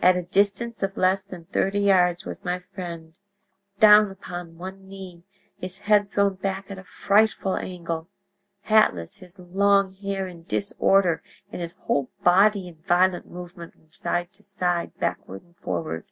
At a distance of less than thirty yards was my friend, down upon one knee, his head thrown back at a frightful angle, hatless, his long hair in disorder and his whole body in violent movement from side to side, backward and forward.